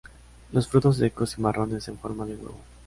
Los frutos son secos y marrones en forma de huevo.